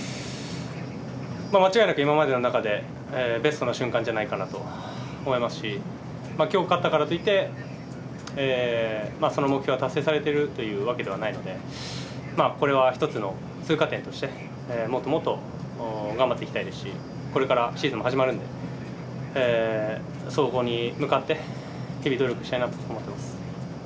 間違いなく今までの中でベストな瞬間じゃないかなと思いますしきょう勝ったからといってその目標は達成されているというわけではないのでこれは１つの通過点としてもっともっと頑張っていきたいですしこれからシーズンも始まるのでそこに向かって努力したいなと思っています。